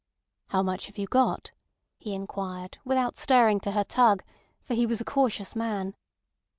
"How much have you got?" he inquired, without stirring to her tug; for he was a cautious man.